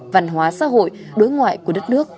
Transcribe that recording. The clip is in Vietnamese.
văn hóa xã hội đối ngoại của đất nước